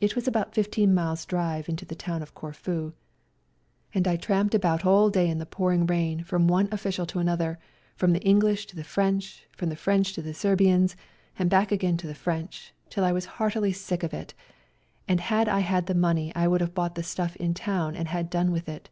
It was about fifteen miles' drive into the town of Corfu, and I WE GO TO CORFU 209 tramped about all day in the pouring rain from one official to another, from the English to the French, from the French to the Serbians, and back again to the French, till I was heartily sick of it, and had I had the money would have bought the stuff in the town and had done with it.